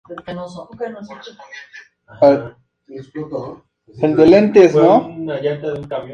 Actualmente es sede de la compañía Empresas Polar.